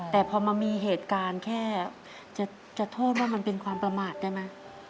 แต่พอมันมีเหตุการณ์แค่จะโทษว่ามันเป็นความประมาทได้ไหม